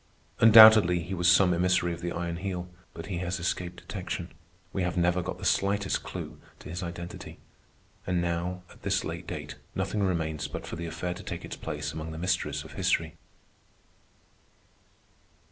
Undoubtedly he was some emissary of the Iron Heel, but he has escaped detection. We have never got the slightest clew to his identity. And now, at this late date, nothing remains but for the affair to take its place among the mysteries of history.